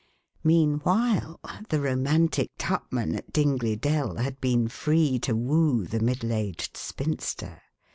Meanwhile, the romantic Tupman at Dingley Dell had been free to woo the middle aged spinster.